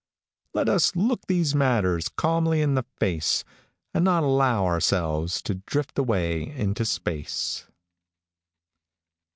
Let us look these matters calmly in the face, and not allow ourselves to drift away into space.